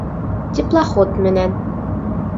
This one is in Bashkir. Теплоход менән